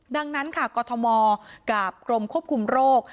ดังนั้นค่ะกรทมกับกรมควบคุมโรค